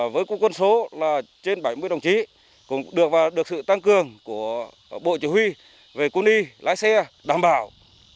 với quân số là trên bảy mươi đồng chí cũng được sự tăng cường của bộ chỉ huy về quân y lái xe đảm bảo